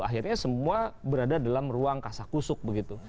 akhirnya semua berada dalam ruang kasah kusuk begitu